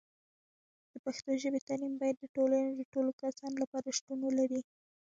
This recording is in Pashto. د پښتو ژبې تعلیم باید د ټولنې د ټولو کسانو لپاره شتون ولري.